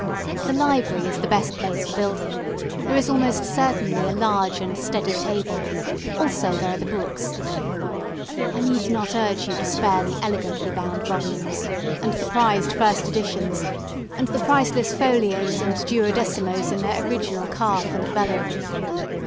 The library is the best place for building: there is almost certainly a large and steady table: also there are the books. I need not urge you to spare the elegantly bound volumes, and the prized first editions, and the priceless folios and duodecimos in their original calf and vellum.